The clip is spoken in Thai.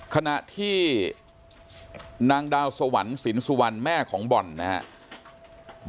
ขณะที่นางดาวสวรรค์สินสุวรรณแม่ของบ่อนนะครับ